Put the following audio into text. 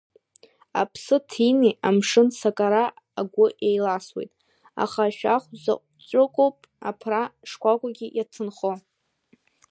Аԥсы ҭины амшын сакара агәы еиласуеит, аха ашәах заҵәыкоуп аԥра шкәакәагьы иаҭынхо!